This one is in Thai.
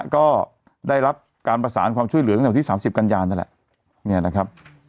ก็ได้รับการประสานความช่วยเหลือตั้งแต่วันที่๓๐กันยานั่นแหละเนี่ยนะครับ